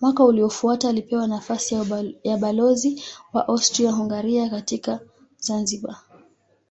Mwaka uliofuata alipewa nafasi ya balozi wa Austria-Hungaria katika Zanzibar.